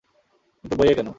কিন্তু বইয়ে কেন?